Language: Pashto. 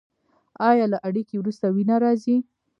ایا له اړیکې وروسته وینه راځي؟